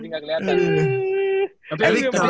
gak keliatan anjing gak keliatan